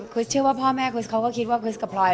คริสต์เชื่อว่าพ่อแม่คริสต์เขาก็คิดว่าคริสต์กับปลอย